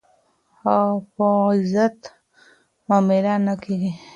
او په عزت معامله نه کېږي.